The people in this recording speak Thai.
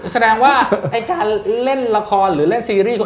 แสดงว่าไอ้การเล่นละครหรือเล่นซีรีส์